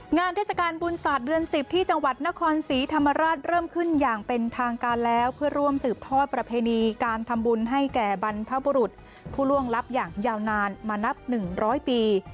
เทศกาลบุญศาสตร์เดือน๑๐ที่จังหวัดนครศรีธรรมราชเริ่มขึ้นอย่างเป็นทางการแล้วเพื่อร่วมสืบทอดประเพณีการทำบุญให้แก่บรรพบุรุษผู้ล่วงลับอย่างยาวนานมานับ๑๐๐ปี